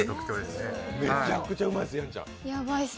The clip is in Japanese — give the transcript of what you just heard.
めちゃくちゃうまいです。